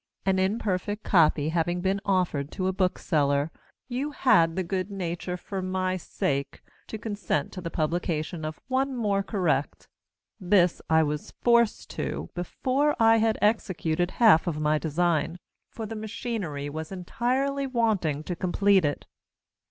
An imperfect copy having been offer'd to a bookseller, you had the good nature for my sake, to consent to the publication of one more correct: this I was forced to, before I had executed half of my design, for the Machinery was entirely wanting to complete it.